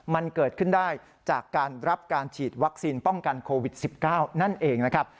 มันเกิดขึ้นได้จากการรับการฉีดวัคซีนป้องกันโควิด๑๙นั่นเองนะครับ